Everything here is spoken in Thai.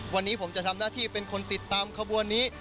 วันนี้ผมจะทำหน้าที่เป็นคนติดตามขบวนนี้